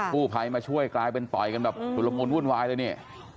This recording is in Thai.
ผู้ภัยมาช่วยกลายเป็นต่อยกันแบบชุดละมุนวุ่นวายเลยนี่